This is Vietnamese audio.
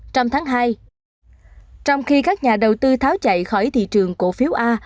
trong tháng hai trong khi các nhà đầu tư tháo chạy khỏi thị trường cổ phiếu a